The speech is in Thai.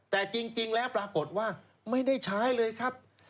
แต่จริงแล้วปรากฏว่าไม่ได้ใช้เลยครับ